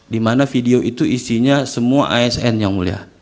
dimana video itu isinya semua asn yang mulia